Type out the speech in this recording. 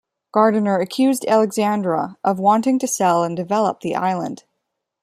Gardiner accused Alexandra of wanting to sell and develop the island.